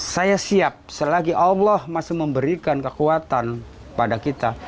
saya siap selagi allah masih memberikan kekuatan pada kita